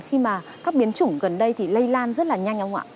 khi mà các biến chủng gần đây thì lây lan rất là nhanh ạ